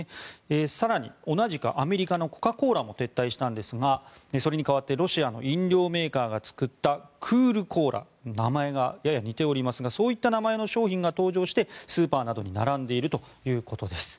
更に同じくアメリカのコカ・コーラも撤退したんですがそれに代わってロシアの飲料メーカーが作ったクール・コーラ名前がやや似ておりますがそういった名前の商品が登場してスーパーなどに並んでいるということです。